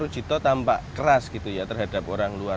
dia tampak keras terhadap orang luar